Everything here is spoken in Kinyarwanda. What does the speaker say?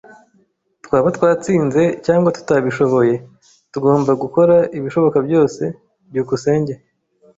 Twaba twatsinze cyangwa tutabishoboye, tugomba gukora ibishoboka byose. byukusenge